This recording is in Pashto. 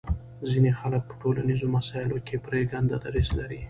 ځینې خلک په ټولنیزو مسایلو کې پرېکنده دریځ لري